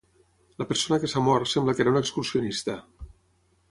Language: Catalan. La persona que s’ha mort sembla que era un excursionista.